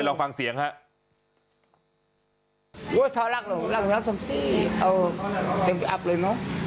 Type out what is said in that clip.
อ๋อถ้าร้านนี้เอาอับเต็มพลิกอัพเลย